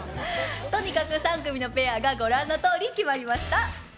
とにかく３組のペアがご覧のとおり決まりました。